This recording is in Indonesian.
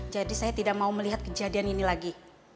jadi saya tidak mau melihat kejadian ini lagi